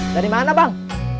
dari mana bang